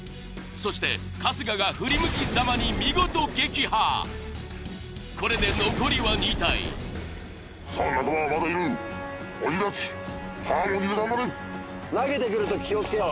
そして春日が振り向きざまに見事撃破これで残りは２体投げてくる時気をつけよう